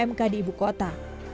yang terkenal di ibu kota